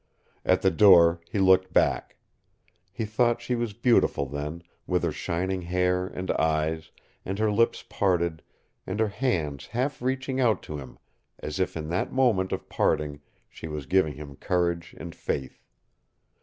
At the door he looked back. He thought she was beautiful then, with her shining hair and eyes, and her lips parted, and her hands half reaching out to him, as if in that moment of parting she was giving him courage and faith.